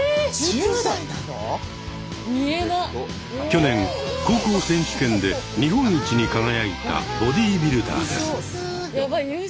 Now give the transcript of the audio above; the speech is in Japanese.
去年高校選手権で日本一に輝いたボディビルダーです。